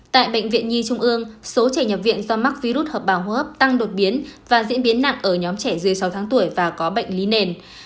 tại bệnh viện nhi trung ương số trẻ nhập viện do mắc virus hợp bào hô hấp tăng đột biến và diễn biến nặng ở nhóm trẻ dưới sáu tháng tuổi và có bệnh lý nền